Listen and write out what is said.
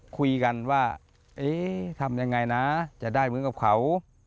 คุยกันว่าเอ๊ะทำยังไงนะจะได้เหมือนกับเขา